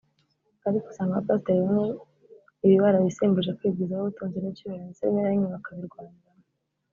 Ariko usanga abapasiteri bamwe ibi barabisimbuje kwigwizaho ubutunzi n’icyubahiro ndetse rimwe na rimwe bakabirwaniramo